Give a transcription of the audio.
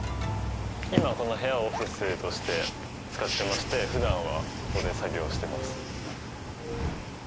今この部屋をオフィスとして使ってましてふだんはここで作業をしてます。